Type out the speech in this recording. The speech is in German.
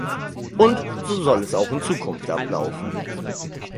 Und so soll es auch in Zukunft ablaufen.